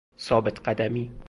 ثابت قدمی